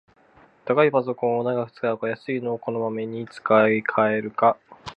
高いパソコンを長く使うか、安いのをこまめに買いかえるか